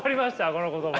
この言葉。